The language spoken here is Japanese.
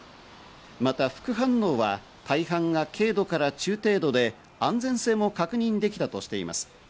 また副反応は大半が軽度から中程度で、安全性も確認できたとしています。